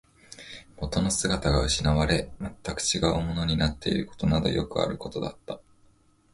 元の姿が失われ、全く違うものになっていることなどよくあることだった